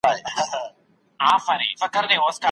که انلاین تعلیم وي، ځوان نسل تخنیکي پوهه ترلاسه کوي.